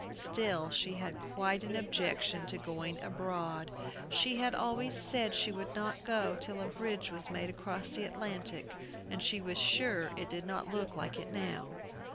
Still she had quite an objection to going abroad. She had always said she would not go till a bridge was made across the Atlantic, and she was sure it did not look like it now.